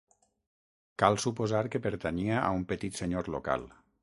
Cal suposar que pertanyia a un petit senyor local.